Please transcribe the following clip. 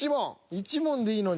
１問でいいのに。